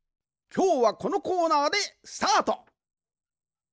きょうはこのコーナーでスタート！